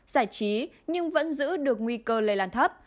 giải trí nhưng vẫn giữ được nguy cơ lây lan thấp